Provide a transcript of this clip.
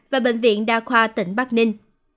và bệnh viện đa khoa tỉnh bắc ninh